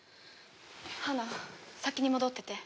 花先に戻ってて。